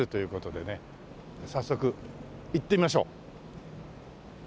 早速行ってみましょう。